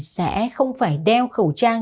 sẽ không phải đeo khẩu trang